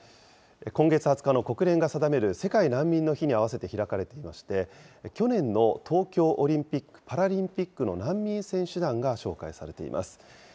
今月２０日の国連が定める世界難民の日に合わせて開かれていまして、去年の東京オリンピック・パラリンピックの難民選手団が紹介されています。